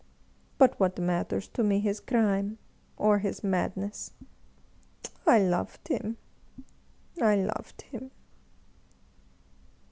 But what matters to me his crime or his madness ? I loved him, I loved him